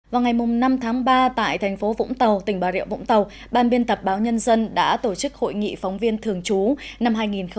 vào ngày năm tháng ba tại thành phố vũng tàu tỉnh bà rịa vũng tàu ban biên tập báo nhân dân đã tổ chức hội nghị phóng viên thường trú năm hai nghìn một mươi chín